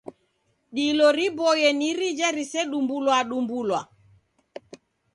Dilo riboie ni rija mrisedumbulwadumbulwa.